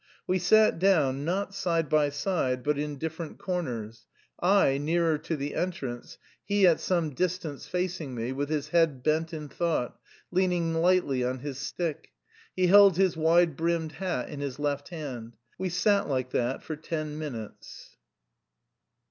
We sat down, not side by side, but in different corners I nearer to the entrance, he at some distance facing me, with his head bent in thought, leaning lightly on his stick. He held his wide brimmed hat in his left hand. We sat like that for ten minutes.